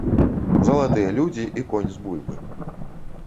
Залатыя людзі і конь з бульбы.